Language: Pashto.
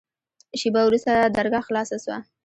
شېبه وروسته درګاه خلاصه سوه.